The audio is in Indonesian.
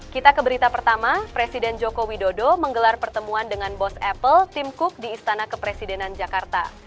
kita ke berita pertama presiden joko widodo menggelar pertemuan dengan bos apple tim cook di istana kepresidenan jakarta